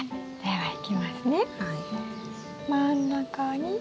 はい。